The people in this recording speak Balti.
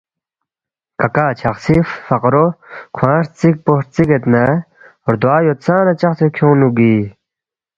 کاکا چھقسی فقرو کھوانگ ہرژیک پو ہرژیگید نہ ردوا یود سانہ چقسے کھیونگنوگی۔